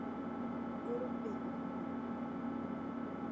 Gurupi